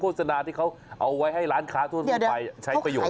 โฆษณงค์โฆษณาที่เขาเอาไว้ให้ร้านค้าทั่วตัวนี้ไปใช้ประโยชน์